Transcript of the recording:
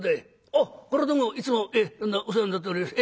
あっこれはどうもいつもお世話になっております。